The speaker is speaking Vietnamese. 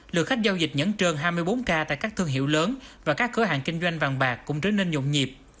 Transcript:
lượng khách giao dịch nhẫn trơn hai mươi bốn k tại các thương hiệu lớn và các cửa hàng kinh doanh vàng bạc cũng trở nên nhộn nhịp